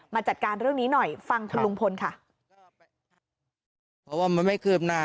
มาจัดการเรื่องนี้หน่อยฟังคุณลุงพลค่ะเพราะว่ามันไม่คืบหน้า